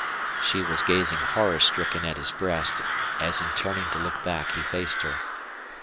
She was gazing horror stricken at his breast, as in turning to look back he faced her.